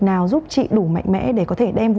nào giúp chị đủ mạnh mẽ để có thể đem